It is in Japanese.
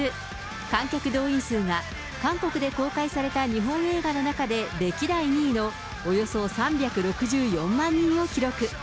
観客動員数が、韓国で公開された日本映画の中で歴代２位のおよそ３６４万人を記録。